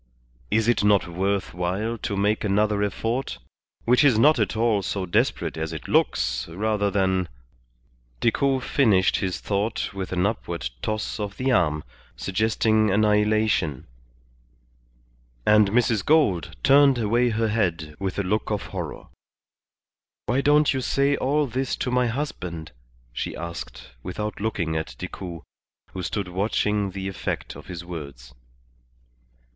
Is it not worth while to make another effort, which is not at all so desperate as it looks, rather than " Decoud finished his thought with an upward toss of the arm, suggesting annihilation; and Mrs. Gould turned away her head with a look of horror. "Why don't you say all this to my husband?" she asked, without looking at Decoud, who stood watching the effect of his words.